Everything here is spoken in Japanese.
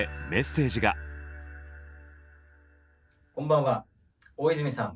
こんばんは大泉さん